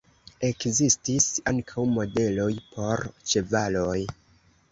Ekzistis ankaŭ modeloj por ĉevaloj.